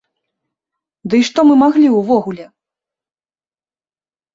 Ды і што мы маглі ўвогуле?